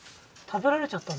食われちゃった。